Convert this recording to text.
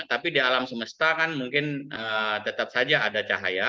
tapi di alam semesta kan mungkin tetap saja ada cahaya